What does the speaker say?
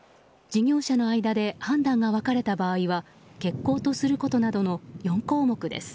事業者の間で判断が分かれた場合は欠航とすることなどの４項目です。